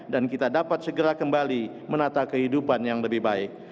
dan kita dapat segera kembali menata kehidupan yang lebih baik